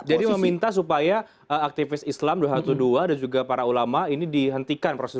jadi meminta supaya aktivis islam dua ratus dua belas dan juga para ulama ini dihentikan proses itu